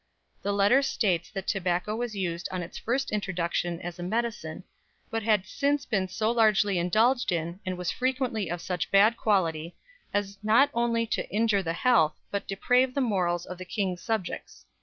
The letter states that tobacco was used on its first introduction as a medicine, but had since been so largely indulged in and was frequently of such bad quality, as not only to injure the health, but deprave the morals of the King's subjects.